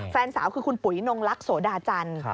แฟนสาวคือคุณปุ๋ยนงลักษดาจันทร์